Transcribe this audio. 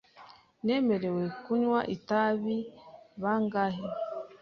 Nemerewe kunywa itabi bangahe?